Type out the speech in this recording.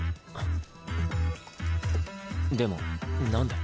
でも何で。